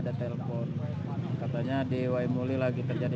upayanya kemarin dua hari hari hari